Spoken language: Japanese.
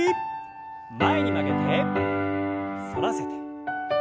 前に曲げて反らせて。